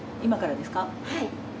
はい。